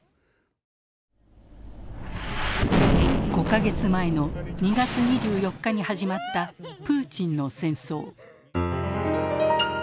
５か月前の２月２４日に始まった「プーチンの戦争」。